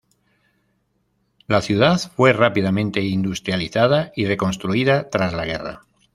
La ciudad fue rápidamente industrializada y reconstruida tras la guerra.